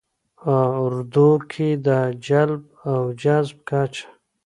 ه اردو کې د جلب او جذب کچه